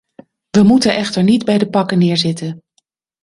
We moeten echter niet bij de pakken neerzitten.